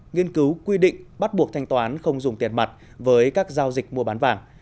nghiên cứu quy định bắt buộc thanh toán không dùng tiền mặt với các giao dịch mua bán vàng